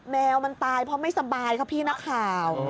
แมวมันตายเพราะไม่สบายครับพี่นักข่าว